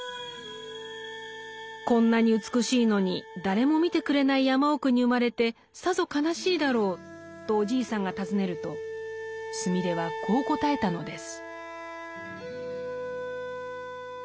「こんなに美しいのに誰も見てくれない山奥に生まれてさぞ悲しいだろう」とおじいさんが訪ねるとスミレはこう答えたのです。